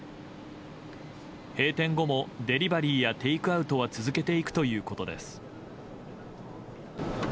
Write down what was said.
閉店後もデリバリーやテイクアウトは続けていくということです。